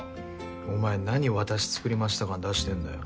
お前何私作りました感出してんだよ。